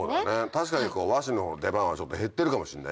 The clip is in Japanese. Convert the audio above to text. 確かに和紙の出番はちょっと減ってるかもしんないね。